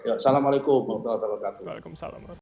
assalamualaikum warahmatullahi wabarakatuh